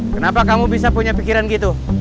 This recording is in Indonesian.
kenapa kamu bisa punya pikiran gitu